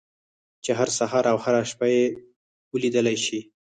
چې هر سهار او هره شپه يې وليدلای شئ.